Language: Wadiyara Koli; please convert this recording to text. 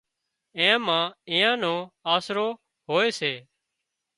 اين مان ايئان نو آسرو هوئي سي